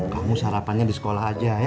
kamu sarapannya di sekolah aja ya